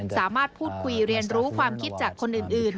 สามารถพูดคุยเรียนรู้ความคิดจากคนอื่น